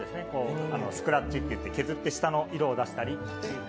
スクラッチといって削って下の絵を出したり。